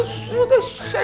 gimana mau tenang